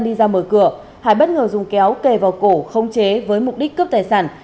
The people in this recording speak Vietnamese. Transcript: đi ra mở cửa hải bất ngờ dùng kéo kề vào cổ không chế với mục đích cướp tài sản